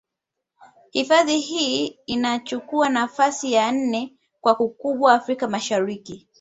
Hifadhi hii inachuku nafasi ya nne kwa ukubwa Afrika Mashariki